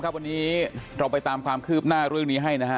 วันนี้เราไปตามความคืบหน้าเรื่องนี้ให้นะฮะ